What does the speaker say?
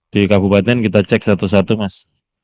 di kabupaten kita cek satu satu mas